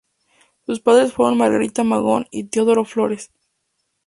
Sus padres fueron Margarita Magón y Teodoro Flores.